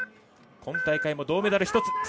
今大会も銅メダル１つ。